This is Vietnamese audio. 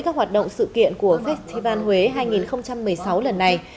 các hoạt động sự kiện của festival huế hai nghìn một mươi sáu lần này